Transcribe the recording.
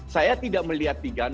saya tidak melihat tiga